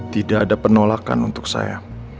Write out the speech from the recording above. tidak ada penolakan untuk saya